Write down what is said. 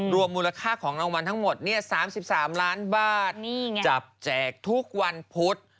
รวมมูลค่าของรางวัลทั้งหมด๓๓ล้านบาทจับแจกทุกวันพุธ